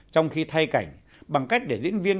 trong khi thay cảnh bằng cách để diễn viên